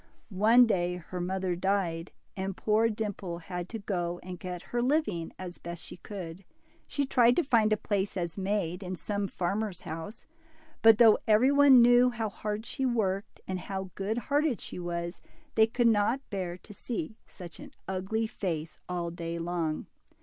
One day her mother died, and poor Dimple had to go and get her living as best she could. She tried to find a place as maid in some farmer's house, but though every one knew how hard she worked, and how good hearted she was, they. could not bear to see such an ugly face all day long.